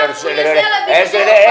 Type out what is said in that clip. saya harus jalan jalan